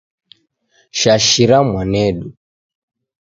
Shashira mwanedu.